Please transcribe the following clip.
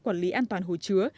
quản lý an toàn hồ chứa